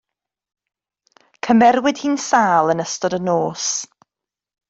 Cymerwyd hi'n sâl yn ystod y nos.